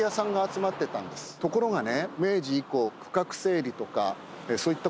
ところがね。